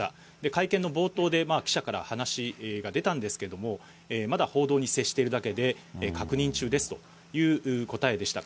会見の冒頭で記者から話が出たんですけども、まだ報道に接しているだけで、確認中ですという答えでした。